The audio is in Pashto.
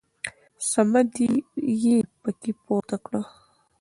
صمد يې په کې پورته کړ.